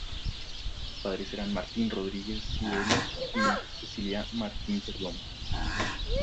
Sus padres eran, Martín Rodríguez Silverio y Celestina Martín Perdomo.